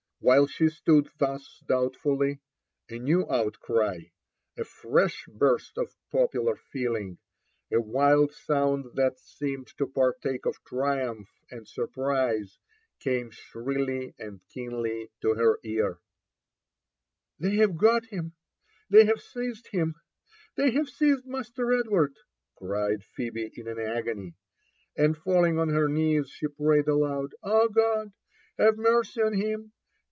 While she stood thus doubtfully, a new outcry — a fresh burst of popular feeling, a wild sound that seemed to partake of triumph and surprise, came shrilly and keenly to her ear. '* They' have got him !— they have seized hipa !?— they have seized Master Edward t" cried Phebe in an agony ; and falling on her knee^, she prayed aloud—*' God^ have mercy on him